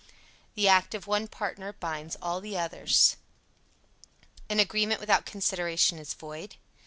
The act of one partner binds all the others. An agreement without consideration is void.